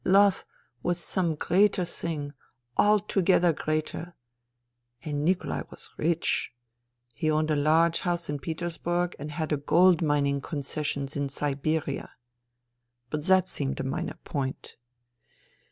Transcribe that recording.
Love was some greater thing — altogether greater. And Nikolai was rich. He owned a large house in Petersburg and had gold mining concessions in Siberia. But that seemed a minor point.